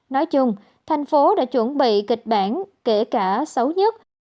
nói chung thành phố đã chuẩn bị kịch bản kể cả xấu nhất